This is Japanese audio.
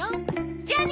じゃあね。